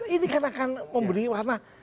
ini kan akan memberi warna